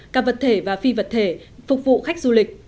các vật thể và phi vật thể phục vụ khách du lịch